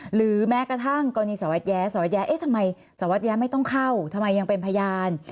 หรือแม้กระทั่งกรณีสวรรค์แย้สวรรค์แย้ทำไมสวรรค์แย้ไม่ต้องเข้าทำไมยังเป็นพยาน